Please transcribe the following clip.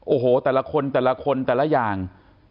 โอ้โหแต่ละคนแต่ละคนแต่ละอย่าง